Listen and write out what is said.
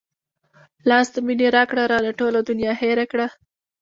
لاس د مينې راکړه رانه ټوله دنيا هېره کړه